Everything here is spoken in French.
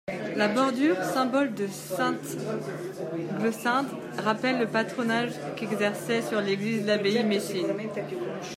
La bordure, symbole de Sainte-Glossinde, rappelle le patronage qu’exerçait sur l’église l’abbaye messine.